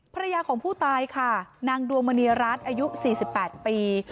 ภรรยาของผู้ตายค่ะนางดวงมณีรัฐอายุ๔๘ปี